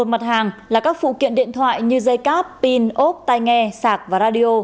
một mươi một mặt hàng là các phụ kiện điện thoại như dây cáp pin ốp tai nghe sạc và radio